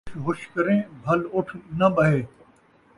ہش ہش کریں بھل اٹھ ناں ٻہے